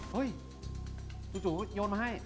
เฮ้ยจู่โยนมาให้